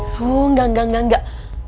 tuh enggak enggak enggak enggak